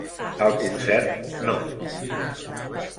El Concert no.